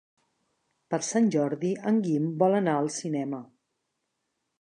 Per Sant Jordi en Guim vol anar al cinema.